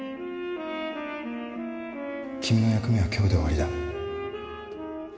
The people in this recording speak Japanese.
君の役目は今日で終わりだ